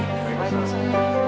sekali lagi makasih ya